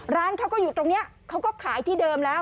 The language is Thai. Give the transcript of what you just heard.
ร้านเขาก็อยู่ตรงนี้เขาก็ขายที่เดิมแล้ว